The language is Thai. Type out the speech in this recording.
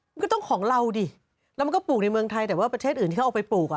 มันก็ต้องของเราดิแล้วมันก็ปลูกในเมืองไทยแต่ว่าประเทศอื่นที่เขาเอาไปปลูกอ่ะ